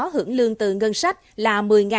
hưởng lương từ ngân sách là